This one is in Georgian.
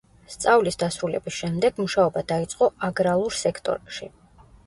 სწავლის დასრულების შემდეგ მუშაობა დაიწყო აგრალურ სექტორში.